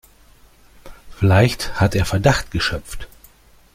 Vielleicht hat er Verdacht geschöpft.